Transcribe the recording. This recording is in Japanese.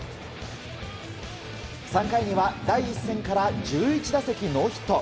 ３回には第１戦から１１打席ノーヒット。